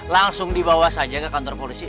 langsung dibawa saja ke kantor polisi